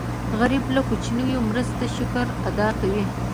غریب له کوچنۍ مرستې شکر ادا کوي